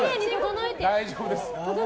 大丈夫です。